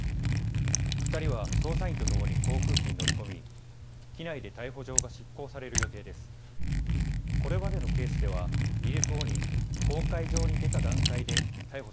２人は捜査員とともに航空機に乗り込み、機内で逮捕状が執行される予定です。